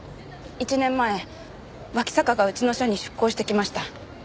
１年前脇坂がうちの社に出向してきました。